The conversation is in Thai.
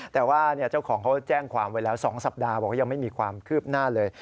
แต่ว่าเจ้าของเขาแจ้งความไว้แล้ว๒สัปดาห์บอกว่ายังไม่มีความคืบหน้าเลย